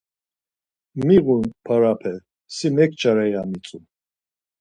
Miğun parape si mekçare ya mitzu.